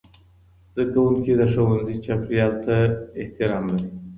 زدهکوونکي د ښوونځي چاپېریال ته احترام لري.